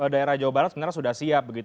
daerah jawa barat sebenarnya sudah siap begitu